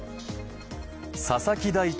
佐々木大地